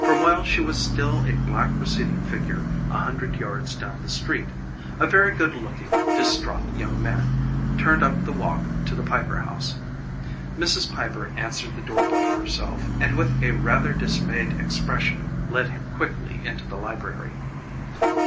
For while she was still a black receding figure a hundred yards down the street, a very good looking distraught young man turned up the walk to the Piper house. Mrs. Piper answered the door bell herself, and with a rather dismayed expression led him quickly into the library.